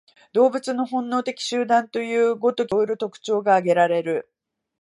動物の本能的集団という如きものから、原始社会が区別せられるのに、色々特徴が挙げられる。